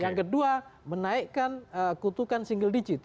yang kedua menaikkan kutukan single digit